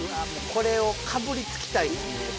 これをかぶりつきたいですね